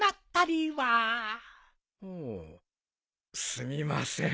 すみません